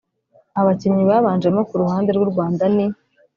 Abakinnyi babanjemo ku ruhande rw’u Rwanda ni